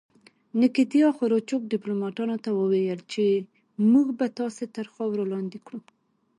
نیکیتیا خروچوف ډیپلوماتانو ته وویل چې موږ به تاسې تر خاورو لاندې کړو